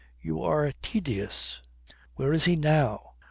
You are tedious. Where is he now?"